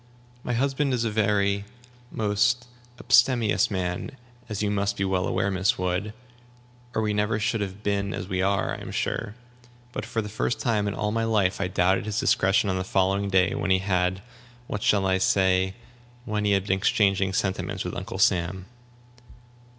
My husband is a very most abstemious man, as you must be well aware, Miss Wood, or we never should have been as we are, I am sure. But, for the first time in all my life, I doubted his discretion on the following day, when he had what shall I say? when he had been exchanging sentiments with Uncle Sam."